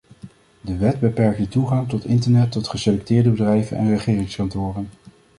De wet beperkt de toegang tot internet tot geselecteerde bedrijven en regeringskantoren.